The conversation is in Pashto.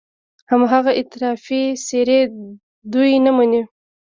هماغه افراطي څېرې دوی نه مني.